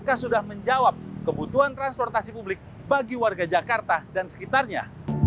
kpk sudah menjawab kebutuhan transportasi publik bagi warga jakarta dan sekitarnya